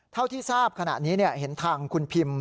เท่าที่ทราบขณะนี้เห็นทางคุณพิม